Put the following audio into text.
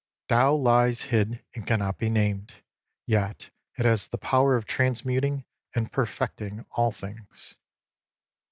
Tao lies hid and cannot be named, yet it has the power of transmuting and perfecting all things.